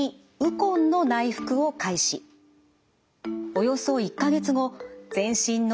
およそ１か月後全身のけん怠感